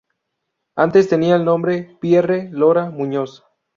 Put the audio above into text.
Antes tenía el nombre Pierre Lora Muñoz.